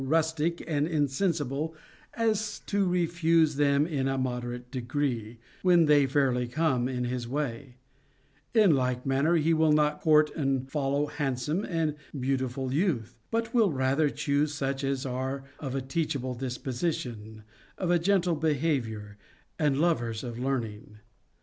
rustic and insensible as to refuse them in a moderate degree, when they fairly come in his way ; in like manner he will not court and follow handsome and beautiful youth, but will rather choose such as are of a teachable disposition, of a gentle behavior, and lovers of learning.